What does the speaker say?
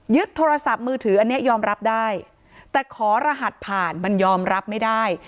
โทรศัพท์มือถืออันนี้ยอมรับได้แต่ขอรหัสผ่านมันยอมรับไม่ได้